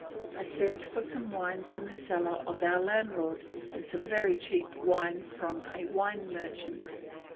I sent for some wine from the cellar of our landlord, and some very cheap wine from a wine merchant.